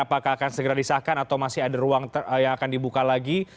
apakah akan segera disahkan atau masih ada ruang yang akan dibuka lagi